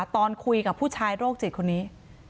ตอนคุยกับผู้ชายโรคจิตคนนี้